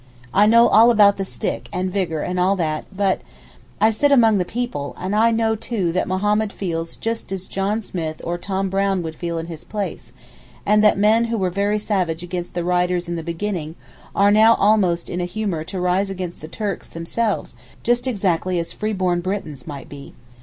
I know all about 'the stick' and 'vigour' and all that—but—'I sit among the people' and I know too that Mohammed feels just as John Smith or Tom Brown would feel in his place, and that men who were very savage against the rioters in the beginning, are now almost in a humour to rise against the Turks themselves just exactly as free born Britons might be.